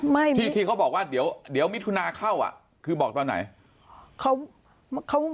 ที่ที่เขาบอกว่าเดี๋ยวมิถุนาเข้าอ่ะคือบอกตอนไหน